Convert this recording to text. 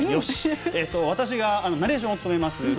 私がナレーションを務めます